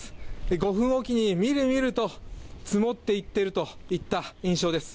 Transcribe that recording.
５分置きにみるみると積もっていっているといった印象です。